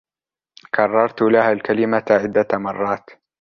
كررت لها الكلمة عدة مرات.